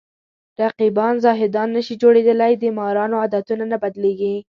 رقیبان زاهدان نشي جوړېدلی د مارانو عادتونه نه بدلېږي